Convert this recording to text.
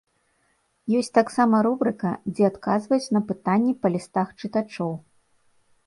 Ёсць таксама рубрыка, дзе адказваюць на пытанні па лістах чытачоў.